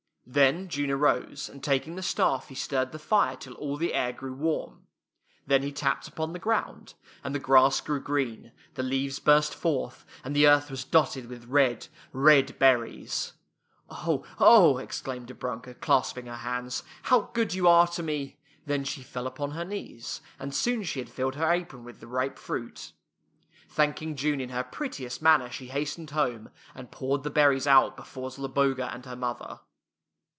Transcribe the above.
Then June arose, and taking the staff he stirred the fire till all the air grew warm. Then he tapped upon the ground, and the gi'ass grew gi'een, the leaves burst forth, and the earth was dotted with red, red berries. [ 16 ] THE TWELVE MONTHS " Oh, oh,'' exclaimed Dobrimka, clasping her hands, " how good you are to me !" Then she fell upon her knees, and soon she had filled her apron with the ripe fruit. Thanking June in her prettiest manner, she hastened home, and poured the berries out before Zloboga and her mother.